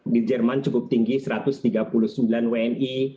di jerman cukup tinggi satu ratus tiga puluh sembilan wni